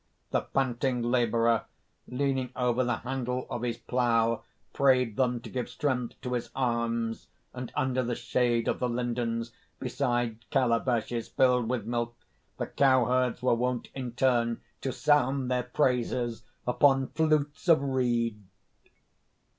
The panting labourer, leaning over the handle of his plough, prayed them to give strength to his arms; and under the shade of the lindens, beside calabashes filled with milk, the cow herds were wont, in turn, to sound their praises upon flutes of reed."